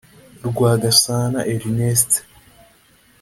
Rwagasana Ernest